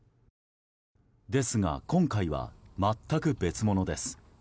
ですが、今回は全く別物です。